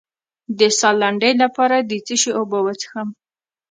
د ساه لنډۍ لپاره د څه شي اوبه وڅښم؟